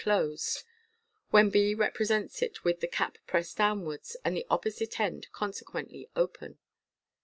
closed), while I represents it with the cap pressed downwards, and the opposite end consequently open.